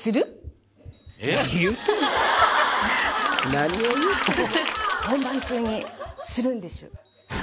何を言うてんねん。